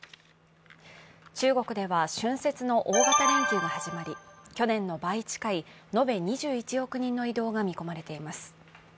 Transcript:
中国では春節の大型連休が始まり去年の倍近い、延べ２１億人の移動が見込まれています。